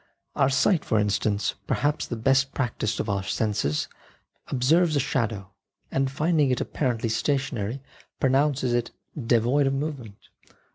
Our sight for instance, perhaps the best practised of all our senses, observes a shadow, and finding it apparently stationary pronounces it devoid of movement.